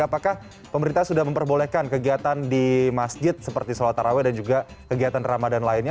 apakah pemerintah sudah memperbolehkan kegiatan di masjid seperti sholat taraweh dan juga kegiatan ramadan lainnya